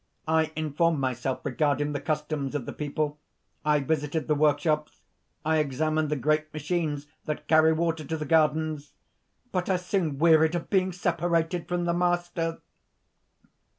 I informed myself regarding the customs of the people; I visited the workshops; I examined the great machines that carry water to the gardens. But I soon wearied of being separated from the Master."